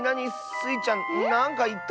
スイちゃんなんかいった？